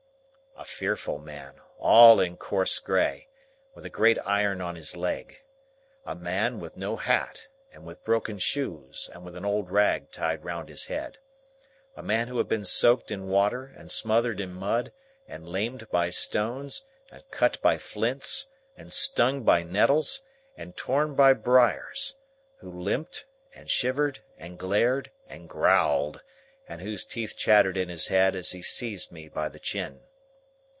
A fearful man, all in coarse grey, with a great iron on his leg. A man with no hat, and with broken shoes, and with an old rag tied round his head. A man who had been soaked in water, and smothered in mud, and lamed by stones, and cut by flints, and stung by nettles, and torn by briars; who limped, and shivered, and glared, and growled; and whose teeth chattered in his head as he seized me by the chin.